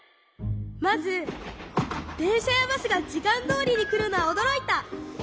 まずでんしゃやバスがじかんどおりにくるのはおどろいた！